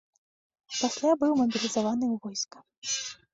Пасля быў мабілізаваны ў войска.